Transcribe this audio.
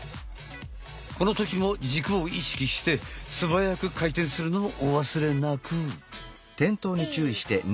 この時も軸を意識してすばやく回転するのをお忘れなく。